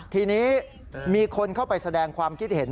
ทีนี้มีคนเข้าไปแสดงความคิดเห็น